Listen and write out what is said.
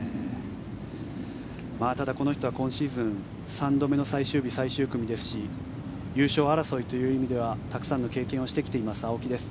ただ、この人は今シーズン３度目の最終日、最終組ですし優勝争いという意味ではたくさんの経験をしてきています青木です。